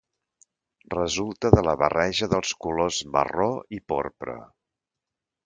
Resulta de la barreja dels colors marró i porpra.